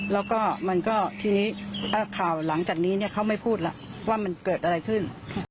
แล้วก็มันก็ทีนี้ข่าวหลังจากนี้เขาไม่พูดแล้วว่ามันเกิดอะไรขึ้น